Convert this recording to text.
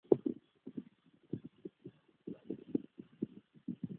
圣母无染原罪主教座堂是位于摩纳哥摩纳哥城的一座天主教主教座堂。